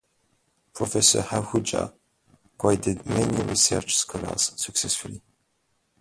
Professor Ahuja guided many research scholars successfully.